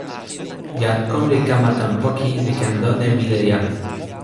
jan kon li kama tan poki li ken lon e wile jan.